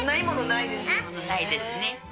ないですね。